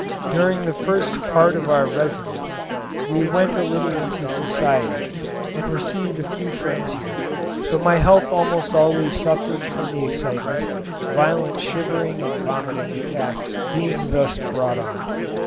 During the first part of our residence we went a little into society, and received a few friends here; but my health almost always suffered from the excitement, violent shivering and vomiting attacks being thus brought on.